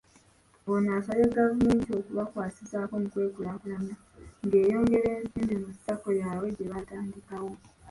Ono asabye gavumenti okubakwasizaako mu kwekulaakulanya ng'eyongera ensimbi mu Sacco yaabwe gye baatandikawo.